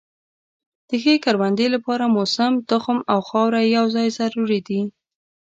د ښې کروندې لپاره موسم، تخم او خاوره یو ځای ضروري دي.